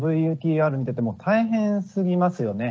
ＶＴＲ見てても大変すぎますよね